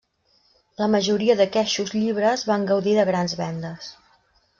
La majoria d'aqueixos llibres van gaudir de grans vendes.